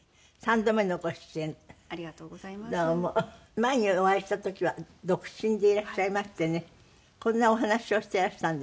前にお会いした時は独身でいらっしゃいましてねこんなお話をしていらしたんですよ。